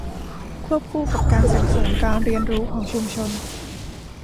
ควบคู่กับการส่งเสริมการเรียนรู้ของชุมชน